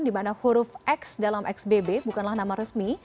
di mana huruf x dalam xbb bukanlah nama resmi